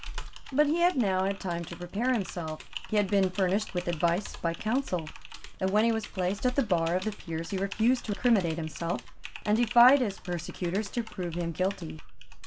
But he had now had time to prepare himself; he had been furnished with advice by counsel; and, when he was placed at the bar of the Peers, he refused to criminate himself and defied his persecutors to prove him guilty.